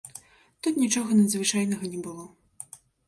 Тут нічога надзвычайнага не было.